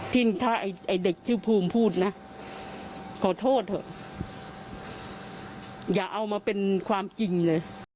ที่ถ้าไอ้เด็กชื่อภูมิพูดนะขอโทษเถอะอย่าเอามาเป็นความจริงเลย